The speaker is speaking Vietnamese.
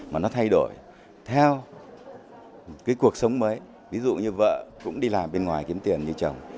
mà nó thay đổi theo cái cuộc sống mới ví dụ như vợ cũng đi làm bên ngoài kiếm tiền như chồng